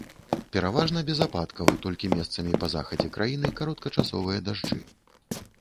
Пераважна без ападкаў, толькі месцамі па захадзе краіны кароткачасовыя дажджы.